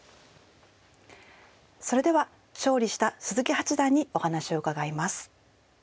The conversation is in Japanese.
それでは勝利した鈴木八段にお話を伺います。